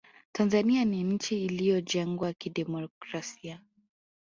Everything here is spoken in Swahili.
tanzania ni nchi iliyojengwa kidemokrasia